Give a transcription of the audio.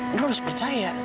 non harus percaya